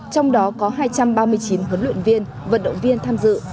trong đó có hai trăm ba mươi chín huấn luyện viên vận động viên tham dự